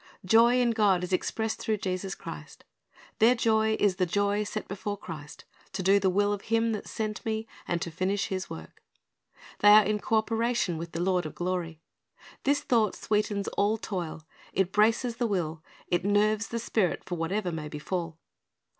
Joy in God is expressed through Jesus Christ. Their joy is the joy set before Christ, — "to do the will of Ilim that sent Me, and to finish His work."^ They are in co operation with the Lord of glory. This thought sweetens all toil, it braces the will, it nerves the spirit for whatever may befall.